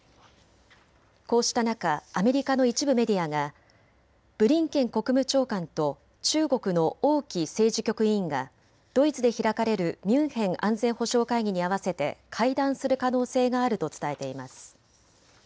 こうした中、アメリカの一部メディアがブリンケン国務長官と中国の王毅政治局委員がドイツで開かれるミュンヘン安全保障会議に合わせて会談する可能性があると伝えています。